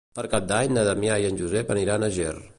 Per Cap d'Any na Damià i en Josep aniran a Ger.